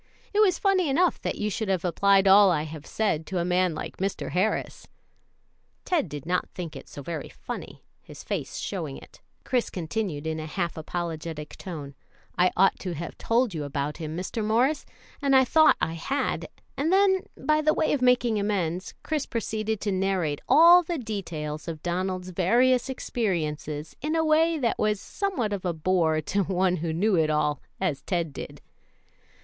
It was funny enough that you should have applied all I have said to a man like Mr. Harris." Ted did not think it so very funny, and his face showing it, Chris continued in a half apologetic tone, "I ought to have told you about him, Mr. Morris, and I thought I had and then, by the way of making amends, Chris proceeded to narrate all the details of Donald's various experiences in a way that was somewhat of a bore to one who knew it all as Ted did.